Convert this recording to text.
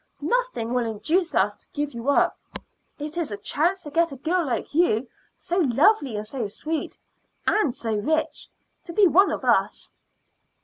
Nothing will induce us to give you up. It is a chance to get a girl like you, so lovely and so sweet and so rich, to be one of us."